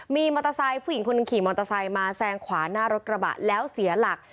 มีมอเตอร์ไซค์ผู้หญิงคนหนึ่งขี่มอเตอร์ไซค์มาแซงขวาหน้ารถกระบะแล้วเสียหลัก